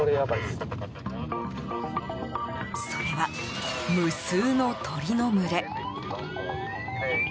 それは、無数の鳥の群れ。